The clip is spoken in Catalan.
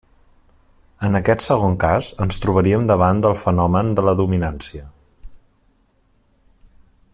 En aquest segon cas, ens trobaríem davant del fenomen de la dominància.